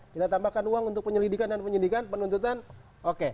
kita tambahkan uang untuk penyelidikan dan penyidikan penuntutan oke